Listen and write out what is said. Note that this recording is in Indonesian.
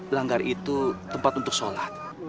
langgar itu tempat untuk sholat